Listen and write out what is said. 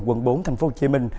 quận bốn tp hcm